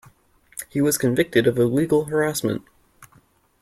He was convicted of illegal harassment.